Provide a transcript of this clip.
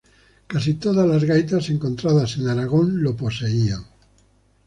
Casi todas las gaitas encontradas en Aragón lo poseían.